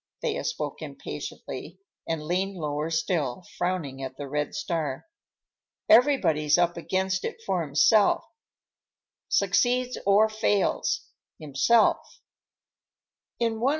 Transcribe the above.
Thea spoke impatiently and leaned lower still, frowning at the red star. "Everybody's up against it for himself, succeeds or fails—himself."